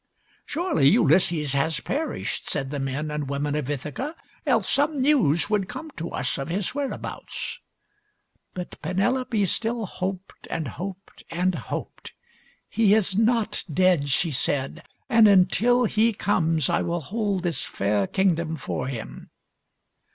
" Surely Ulysses has perished," said the men and women of Ithaca ;" else some news would come to us of his whereabouts." But Penelope still hoped and hoped and hoped. " He is not dead," she said ;" and until he comes I will hold this fair kingdom for him."